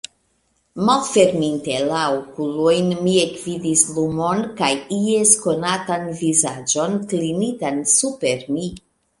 Malferminte la okulojn, mi ekvidis lumon kaj ies konatan vizaĝon klinitan super mi.